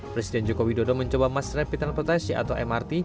presiden joko widodo mencoba mass rapid transportasi atau mrt